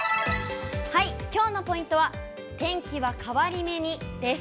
きょうのポイントは、天気は変わり目にです。